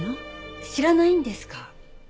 知らないんですか？